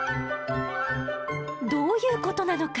どういうことなのか？